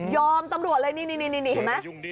ตำรวจเลยนี่เห็นไหม